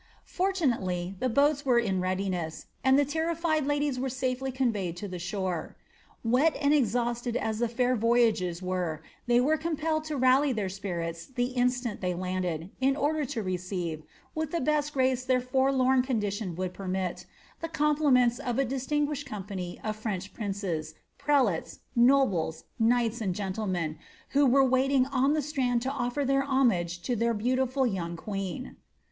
Fortunately, the boats were in readiness, ant terrified hidiea were safely conveyed to the shore. Wet and ezhii as the fair voyagers were they were compelled to rally their spirit instant they landed, in order to receive, with tlie best grace their ^ condition would permit, the compliments of a distinguished compai French princes, prelates, nobles, knights, and gentlemen, who waiting on the strand to offer their homage to their beautiful y queen.'